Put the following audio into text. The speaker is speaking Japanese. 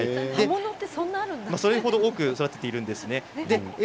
それ程多く育てているんですね。